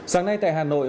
sáng nay tại hà nội